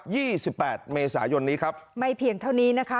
ี่สิบแปดเมษายนนี้ครับไม่เพียงเท่านี้นะคะ